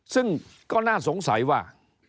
ซึ่งก็น่าสงสัยว่า